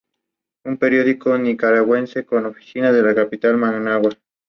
Nacida en Los Ángeles, es conocida por ser ahijada de la cantante Barbra Streisand.